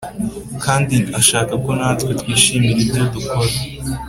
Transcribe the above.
kandi ashaka ko natwe twishimira ibyo dukora